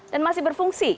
dan masih berfungsi